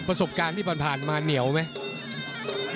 ประสบการณ์ที่ผ่านมาเหนียวไหม